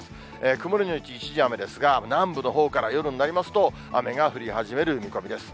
曇り後一時雨ですが、南部のほうから夜になりますと、雨が降り始める見込みです。